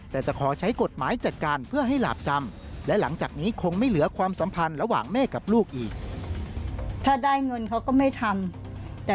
แล้วแต่เขาจะเอาโอกาสของเขา